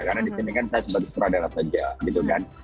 karena disini kan saya sebagai seteradara saja gitu kan